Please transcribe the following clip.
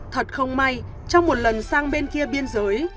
thật không may trong một lần sang bên kia biên giới